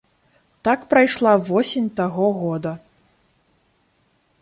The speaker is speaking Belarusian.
Так прайшла восень таго года.